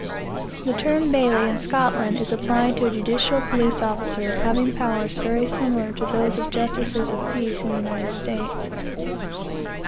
The term baillie, in Scotland, is applied to a judicial police officer, having powers very similar to those of justices of peace in the United States."